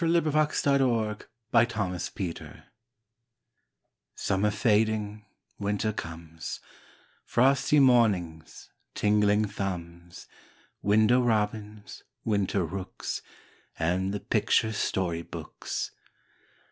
PICTURE BOOKS IN WINTER Summer fading, winter comes Frosty mornings, tingling thumbs, Window robins, winter rooks, And the picture story books.